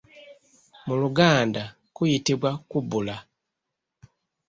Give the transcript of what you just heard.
Mu Luganda kuyitibwa kubbula.